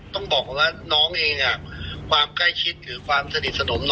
ต้องบอกว่าน้องเองความใกล้ชิดหรือความสนิทสนม